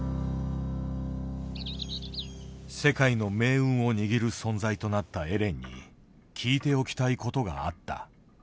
世界の命運を握る存在となったエレンに聞いておきたいことがあった。